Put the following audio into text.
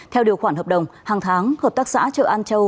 theo điều khoản hợp đồng hàng tháng hợp tác xã chợ an châu